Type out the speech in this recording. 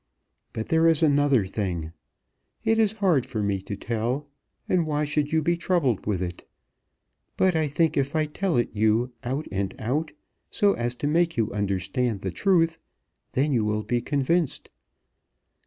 But there is another thing. It is hard for me to tell, and why should you be troubled with it? But I think if I tell it you out and out, so as to make you understand the truth, then you will be convinced.